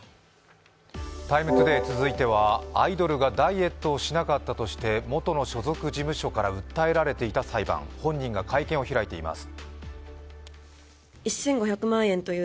続いてはアイドルがダイエットをしなかったとして元の所属事務所から訴えられていた裁判、本人が会見を開いています。